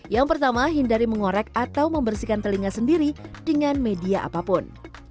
yang pertama hindari mengorek atau membersihkan telinga sendiri dengan media apapun